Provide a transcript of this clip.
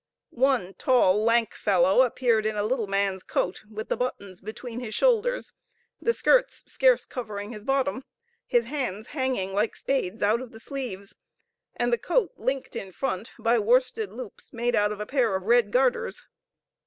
One tall, lank fellow appeared in a little man's coat, with the buttons between his shoulders; the skirts scarce covering his bottom; his hands hanging like spades out of the sleeves; and the coat linked in front by worsted loops made out of a pair of red garters.